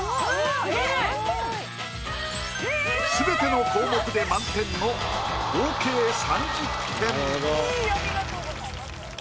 すべての項目で満点の合計３０点。